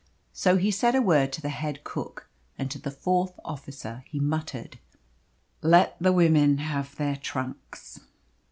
So he said a word to the head cook, and to the fourth officer he muttered "Let the women have their trunks!"